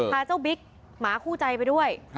พาเจ้าบิ๊กหมาคู่ใจไปด้วย